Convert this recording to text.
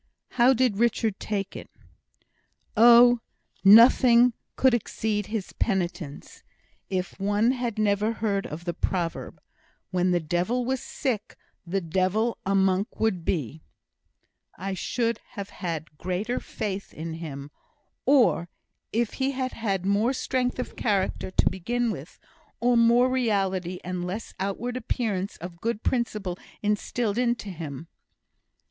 "How did Richard take it?" "Oh, nothing could exceed his penitence. If one had never heard of the proverb, 'When the devil was sick, the devil a monk would be,' I should have had greater faith in him; or if he had had more strength of character to begin with, or more reality and less outward appearance of good principle instilled into him.